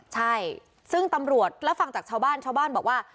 ใช่ซึ่งตำรวจแล้วฟังจากชาวบ้านชาวบ้านบอกว่า